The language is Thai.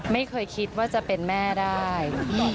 ไม่เคยคิดว่าจะเป็นแม่ได้